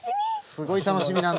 すごい楽しみなんだよ